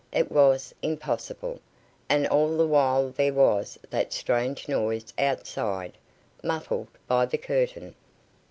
It was impossible; and all the while there was that strange noise outside, muffled by the curtain.